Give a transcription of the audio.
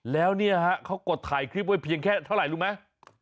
แล้วเนี่ยฮะเขากดถ่ายคลิปไว้เพียงแค่เท่าไหร่รู้ไหม